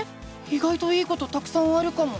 いがいといいことたくさんあるかも！